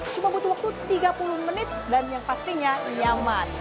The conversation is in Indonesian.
cuma butuh waktu tiga puluh menit dan yang pastinya nyaman